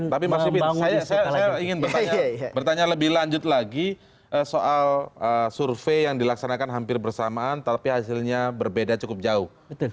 tapi mas upin saya ingin bertanya lebih lanjut lagi soal survei yang dilaksanakan hampir bersamaan tapi hasilnya berbeda cukup jauh